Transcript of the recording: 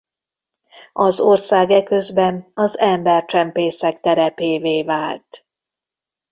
Az ország eközben az embercsempészek terepévé vált.